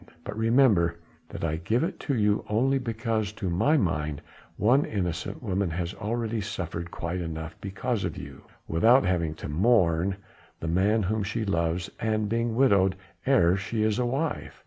But remember that I give it you only because to my mind one innocent woman has already suffered quite enough because of you, without having to mourn the man whom she loves and being widowed ere she is a wife.